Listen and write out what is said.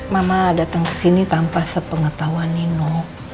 mama datang kesini tanpa sepengetahuan nino